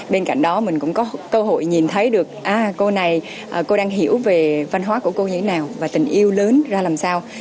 bên cạnh đó mình cũng có cơ hội nhìn thấy được cô này cô đang hiểu về văn hóa của cô như thế nào và tình yêu lớn ra làm sao